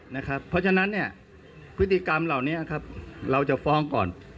เพราะฉะนั้นพฤติกรรมเหล่านี้เราจะฟ้องก่อน